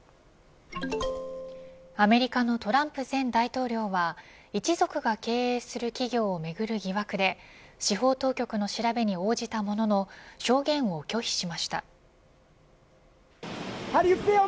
アメリカのトランプ前大統領は一族が経営する企業をめぐる疑惑で司法当局の調べに応じたものの証言を拒否しました。